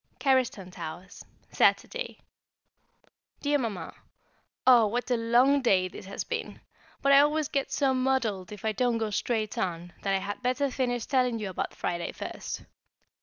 Carriston Towers, Saturday. [Sidenote: An Anchor in Life] Dear Mamma, Oh! what a long day this has been! But I always get so muddled if I don't go straight on, that I had better finish telling you about Friday first.